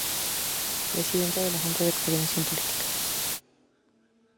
Presidenta de la Junta de Coordinación Política.